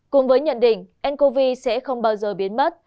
cùng với nhận định ncov sẽ không bao giờ biến mất